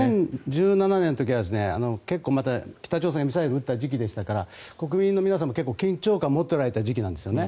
２０１７年の時は結構、北朝鮮がミサイルを撃った時期でしたから国民の皆さんも緊張感を持っておられた時期なんですよね。